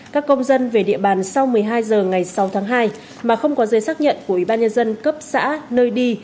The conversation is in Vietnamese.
các công dân về địa bàn sau một mươi hai h ngày sáu tháng hai mà không có giấy xác nhận của ubnd cấp xã nơi đi